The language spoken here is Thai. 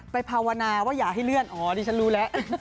ภาวนาว่าอย่าให้เลื่อนอ๋อดิฉันรู้แล้ว